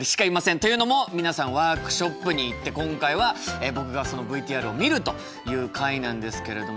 というのも皆さんワークショップに行って今回は僕がそのＶＴＲを見るという回なんですけれども。